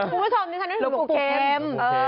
คุณผู้ชมดิฉันนึกถึงปูเข็ม